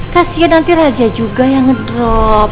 kasih ya nanti raja juga yang ngedrop